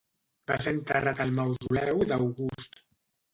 Va ser enterrat al Mausoleu d'August.